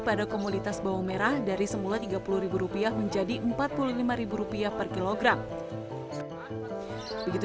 pada komunitas bawang merah dari semula tiga puluh rupiah menjadi empat puluh lima rupiah per kilogram begitu